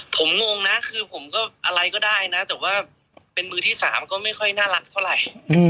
ผมงงนะคือผมก็อะไรก็ได้นะแต่ว่าเป็นมือที่สามก็ไม่ค่อยน่ารักเท่าไหร่